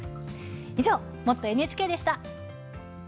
以上「もっとＮＨＫ」でした。